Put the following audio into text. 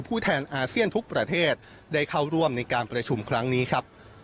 ผู้แทนอาเซียนทุกประเทศได้เข้าร่วมในการประชุมครั้งนี้ครับ